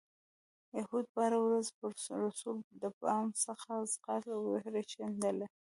یهودي به هره ورځ پر رسول د بام څخه خځلې ورشیندلې.